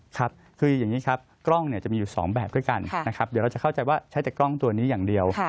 ครับคืออย่างนี้ครับกล้องเนี่ยจะมีอยู่๒แบบด้วยกันนะครับเดี๋ยวเราจะเข้าใจว่าใช้แต่กล้องตัวนี้อย่างเดียว